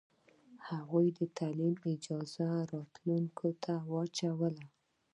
هغوی د تعلیم اجازه راتلونکې ته اچوله.